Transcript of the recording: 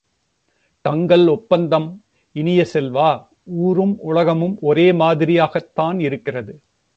டங்கல் ஒப்பந்தம் இனிய செல்வ, ஊரும் உலகமும் ஒரே மாதிரியாகத்தான் இருக்கிறது.